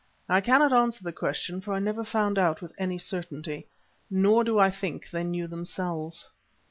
I cannot answer the question, for I never found out with any certainty. Nor do I think they knew themselves.